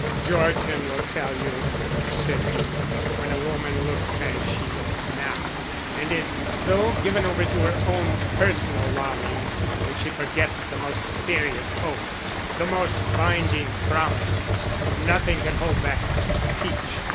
"Georgian will tell you," said he. "When a woman looks as she looks now, and is so given over to her own personal longings that she forgets the most serious oaths, the most binding promises, nothing can hold back her speech.